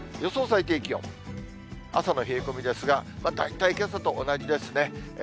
朝の冷え込みですが、大体けさと同じですね。